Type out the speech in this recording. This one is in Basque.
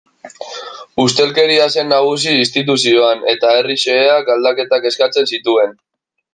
Ustelkeria zen nagusi instituzioan eta herri xeheak aldaketak eskatzen zituen.